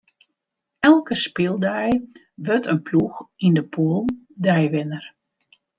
Elke spyldei wurdt in ploech yn de pûle deiwinner.